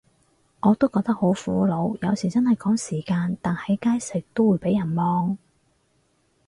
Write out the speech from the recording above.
我都覺得好苦惱，有時真係趕時間，但喺街食都會被人望